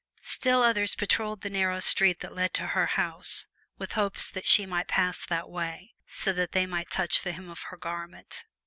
Still others patroled the narrow street that led to her home, with hopes that she might pass that way, so that they might touch the hem of her garment.